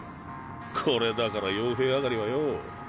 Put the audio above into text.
これだから傭兵上がりはよぉ。